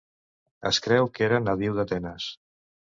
Es creu que era nadiu d'Atenes.